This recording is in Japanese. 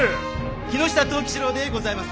木下藤吉郎でございます。